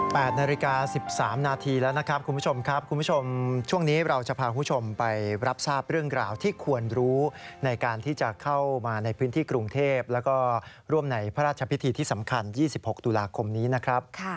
นาฬิกาสิบสามนาทีแล้วนะครับคุณผู้ชมครับคุณผู้ชมช่วงนี้เราจะพาคุณผู้ชมไปรับทราบเรื่องราวที่ควรรู้ในการที่จะเข้ามาในพื้นที่กรุงเทพแล้วก็ร่วมในพระราชพิธีที่สำคัญ๒๖ตุลาคมนี้นะครับ